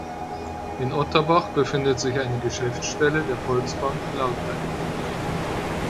In Otterbach befindet sich eine Geschäftsstelle der Volksbank Lauterecken.